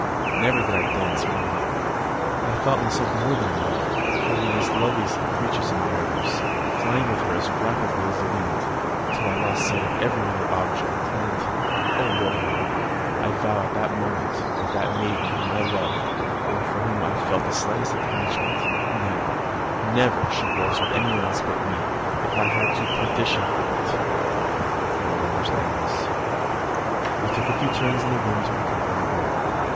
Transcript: Never did I dance more lightly. I felt myself more than mortal, holding this loveliest of creatures in my arms, flying, with her as rapidly as the wind, till I lost sight of every other object; and O Wilhelm, I vowed at that moment, that a maiden whom I loved, or for whom I felt the slightest attachment, never, never should waltz with any one else but with me, if I went to perdition for it! you will understand this. We took a few turns in the room to recover our breath.